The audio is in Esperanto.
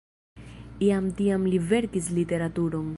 Jam tiam li verkis literaturon.